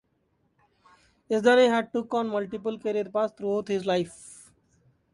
Yazdani had took on multiple career paths throughout his life.